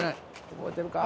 覚えてるか？